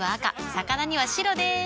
魚には白でーす。